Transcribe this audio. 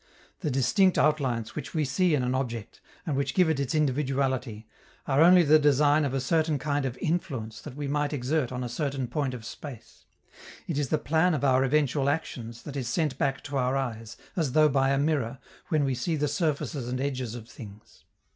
The distinct outlines which we see in an object, and which give it its individuality, are only the design of a certain kind of influence that we might exert on a certain point of space: it is the plan of our eventual actions that is sent back to our eyes, as though by a mirror, when we see the surfaces and edges of things.